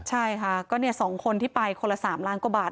ใช่ค่ะก็๒คนที่ไปคนละ๓ล้านกว่าบาท